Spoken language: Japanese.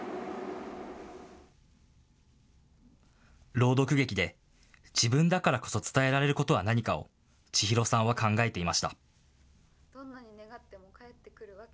朗読劇で自分だからこそ伝えられることは何かを千裕さんは考えていました。